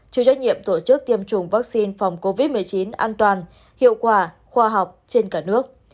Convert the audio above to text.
chịu trách nhiệm tổ chức tiêm chủng vaccine phòng covid một mươi chín an toàn hiệu quả khoa học trên cả nước